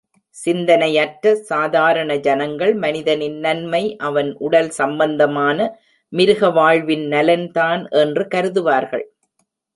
சிந்தனையற்ற சாதாரண ஜனங்கள் மனிதனின் நன்மை அவன் உடல் சம்பந்தமான மிருக வாழ்வின் நலன்தான் என்று கருதுவார்கள்.